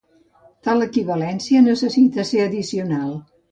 Tal equivalència necessita ser addicional.